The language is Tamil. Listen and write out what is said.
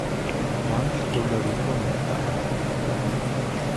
வாங்கிக் கொள்ள ரொம்ப மறுத்தாள்.